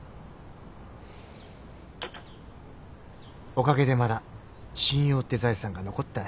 おかげでまだ信用って財産が残ってたね。